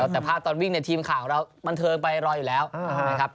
แต่ภาพตอนวิ่งเนี่ยทีมข่าวเราบันเทิงไปรออยู่แล้วนะครับ